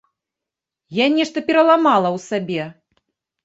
Я нешта пераламала ў сабе.